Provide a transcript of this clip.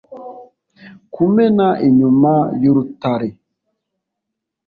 kumena inyuma y’urutare